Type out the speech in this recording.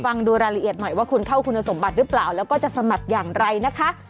ฟังดูรายละเอียดหน่อยว่าคุณเข้าคุณสมบัติหรือเปล่าแล้วก็จะสมัครอย่างไรนะคะ